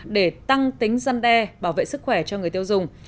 để tăng tính dân đe bảo vệ sức khỏe cho người tiêu dùng